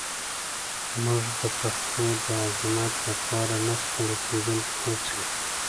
موږ د پښتو د عظمت لپاره نه ستړې کېدونکې هڅې کوو.